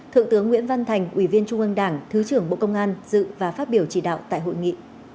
thượng tướng nguyễn văn thành ủy viên trung ương đảng thứ trưởng bộ công an dự và phát biểu chỉ đạo tại hội nghị